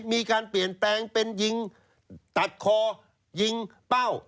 มีการเปลี่ยนแปลงเป็นยิงตัดคอยิงเป้า